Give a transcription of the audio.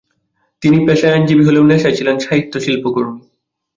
তিনি পেশায় আইনজীবী হলেও নেশায় ছিলেন সাহিত্য-শিল্পকর্মী।